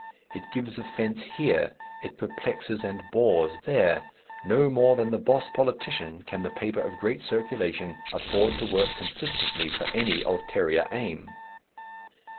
It gives offence here, it perplexes and bores there; no more than the boss politician can the paper of great circulation afford to work consistently for any ulterior aim.